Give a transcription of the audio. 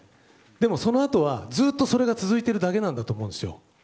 でも、そのあとはずっとそれが続いているだけだと思うんですよ。